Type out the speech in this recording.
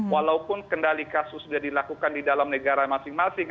walaupun kendali kasus sudah dilakukan di dalam negara masing masing